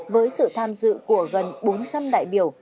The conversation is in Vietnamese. với sự tham dự của gần bốn trăm linh đại biểu